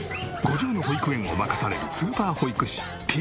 ５０の保育園を任されるスーパー保育士てぃ